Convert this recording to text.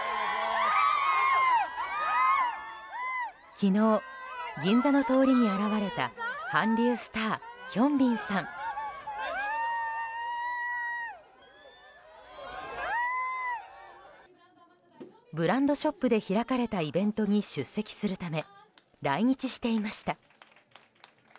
昨日、銀座の通りに現れた韓流スター、ヒョンビンさん。ブランドショップで開かれたイベントに出席するため来日していました。